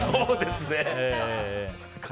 そうですね。